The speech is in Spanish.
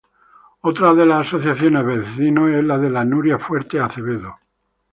Otra de las Asociaciones de Vecinos es la de la Muria-Fuertes Acevedo.